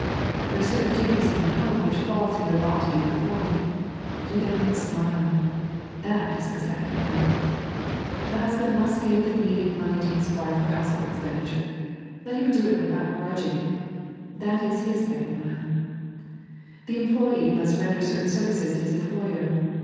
There are certAin duties in the home which fall to your lot to be performed : do them with a smile ; thai ia the leeond tnile. The husband must give the needed money to bis wife for household expenditure : let him do it without grudging ; that ia hi* second tnUe. The employ^ must render certain services to his employer.